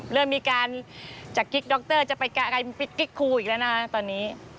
เริ่มมีการจะกิ๊กดรจะไปกิ๊กครูอีกแล้วนะตอนนี้